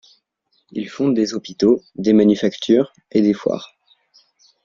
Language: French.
Il fonde des hôpitaux, des manufactures et des foires.